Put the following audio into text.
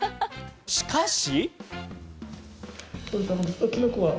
しかし。